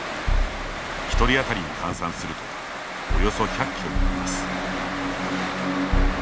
１人あたりに換算するとおよそ１００キロになります。